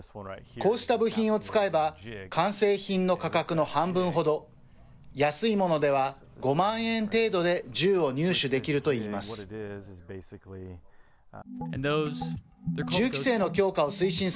こうした部品を使えば完成品の価格の半分ほど、安いものでは５万円程度で銃を入手できるといいます。